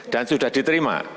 dan sudah diterima